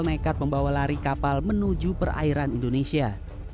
nekat membawa lari kapal menuju perairan indonesia